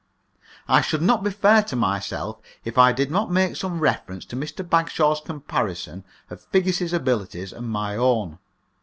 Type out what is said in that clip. I should not be fair to myself if I did not make some reference to Mr. Bagshaw's comparison of Figgis's abilities and my own.